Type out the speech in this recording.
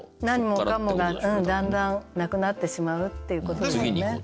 何もかもがだんだんなくなってしまうっていうことだよね。